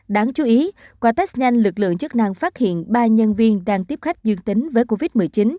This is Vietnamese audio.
đáng chú ý qua test nhanh lực lượng chức năng phát hiện ba nhân viên đang tiếp khách dương tính với covid một mươi chín